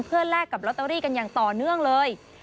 เพื่อแลกกับลอตเตอรี่กันอย่างต่อเนื่องเลย